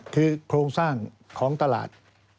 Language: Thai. คือโครงสร้างของตลาด